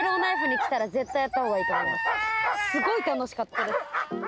すごい楽しかったです。